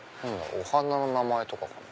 お花の名前とかかな。